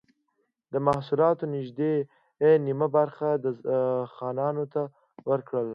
د محصولاتو نږدې نییمه برخه خانانو ته ورکوله.